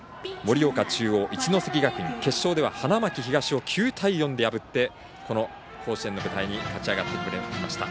一関学院と準決勝で破り決勝では花巻東を９対４で破ってこの甲子園の舞台に勝ち上がってきました。